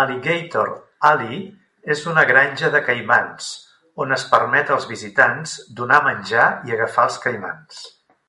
Alligator Alley és una granja de caimans on es permet als visitants donar menjar i agafar els caimans.